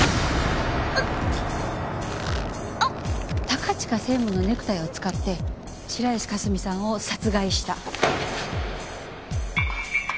高近専務のネクタイを使って白石佳澄さんを殺害した。